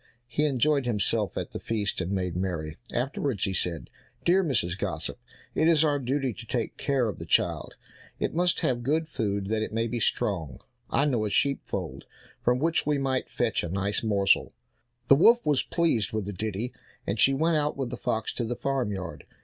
He enjoyed himself at the feast, and made merry; afterwards he said, "Dear Mrs. Gossip, it is our duty to take care of the child, it must have good food that it may be strong. I know a sheep fold from which we might fetch a nice morsel." The wolf was pleased with the ditty, and she went out with the fox to the farm yard.